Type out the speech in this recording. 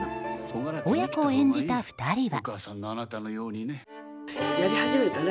親子を演じた２人は。